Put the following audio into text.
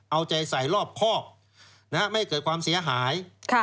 เอาใจใส่รอบคอกได้ไห้ความเสียหาย